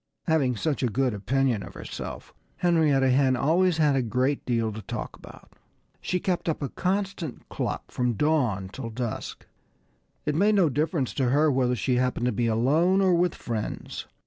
Having such a good opinion of herself, Henrietta Hen always had a great deal to talk about. She kept up a constant cluck from dawn till dusk. It made no difference to her whether she happened to be alone, or with friends.